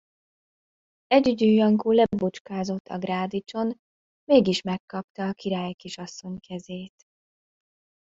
Együgyű Jankó lebucskázott a grádicson, mégis megkapta a királykisasszony kezét!